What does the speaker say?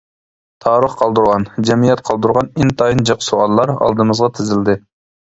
تارىخ قالدۇرغان، جەمئىيەت قالدۇرغان ئىنتايىن جىق سوئاللار ئالدىمىزغا تىزىلدى.